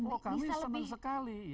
oh kami senang sekali